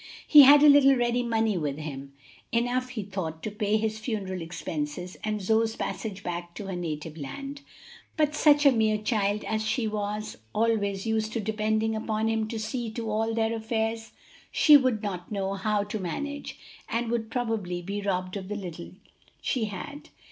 He had a little ready money with him, enough he thought to pay his funeral expenses and Zoe's passage back to her native land, but such a mere child as she was, always used to depending upon him to see to all their affairs, she would not know how to manage, and would probably be robbed of the little she had.